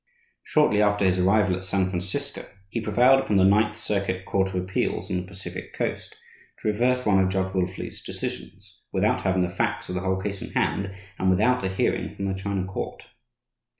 Shortly after his arrival at San Francisco, he prevailed upon the Ninth Circuit Court of Appeals, on the Pacific Coast, to reverse one of Judge Wilfley's decisions without having the facts of the whole case in hand and without a hearing from the China court.